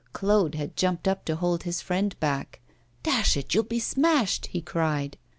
Claude had jumped up to hold his friend back. 'Dash it! you'll be smashed!' he cried.